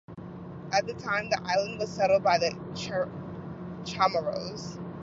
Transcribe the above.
At the time, the island was settled by the Chamorros.